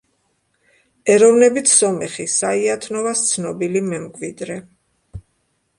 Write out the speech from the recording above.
ეროვნებით სომეხი, საიათნოვას ცნობილი მემკვიდრე.